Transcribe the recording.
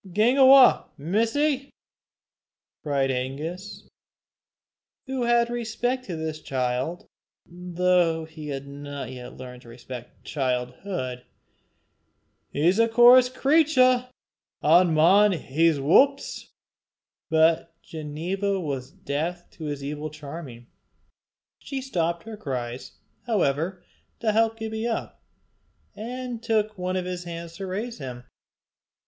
"Gang awa, missie," cried Angus, who had respect to this child, though he had not yet learned to respect childhood; "he's a coorse cratur, an' maun hae 's whups." But Ginevra was deaf to his evil charming. She stopped her cries, however, to help Gibbie up, and took one of his hands to raise him.